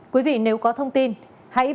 quý vị nếu có thông tin hãy báo cho bộ công an